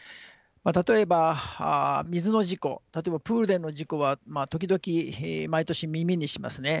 例えば水の事故例えばプールでの事故は時々毎年耳にしますね。